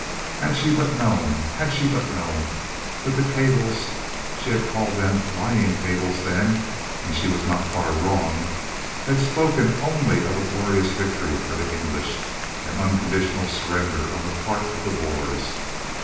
Had she but known had she but known but the cables (she had called them "lying cables" then, and she was not far wrong) had spoken only of a glorious victory for the English and unconditional surrender on the part of the Boers.